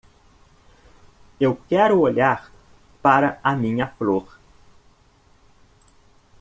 Eu quero olhar para a minha flor.